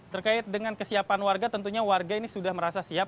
terkait dengan kesiapan warga tentunya warga ini sudah merasa siap